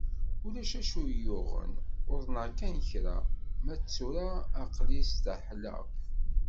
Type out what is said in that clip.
Uac acu iyi-yuɣen, uḍneɣ kan kra, ma d tura aql-i staḥlaɣ.